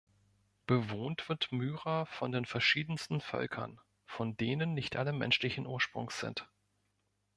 Bewohnt wird Myra von den verschiedensten Völkern, von denen nicht alle menschlichen Ursprungs sind.